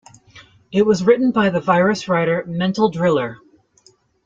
It was written by the virus writer "Mental Driller".